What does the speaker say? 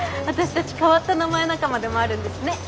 私たち変わった名前仲間でもあるんですね。